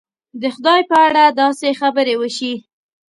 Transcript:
د خدای په اړه داسې خبرې وشي.